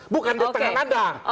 bukan di tengah anda